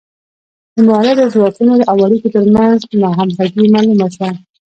د مؤلده ځواکونو او اړیکو ترمنځ ناهمغږي معلومه شوه.